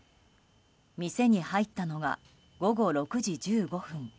店に入ったのが午後６時１５分。